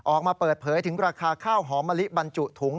ออกมาเปิดเผยถึงราคาข้าวหอมมะลิบรรจุถุง